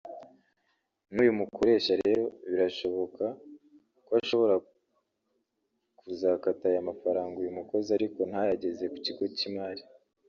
n’uyu mukoresha rero birashoboka ko ashobora kuzakata aya amafaranga uyu mukozi ariko ntayageze ku kigo cy’Imari